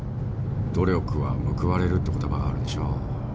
努力は報われるって言葉があるでしょう。